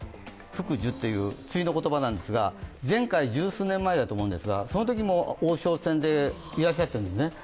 対の言葉なんですが、前回十数年前なんですがそのときも王将戦でいらっしゃってるんですね。